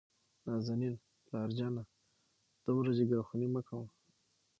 نازنين : پلار جانه دومره جګرخوني مه کوه.